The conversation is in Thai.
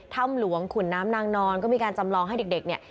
ถ้ำหลวงขุนน้ำนางนอนก็มีการจำลองให้เด็กเนี่ย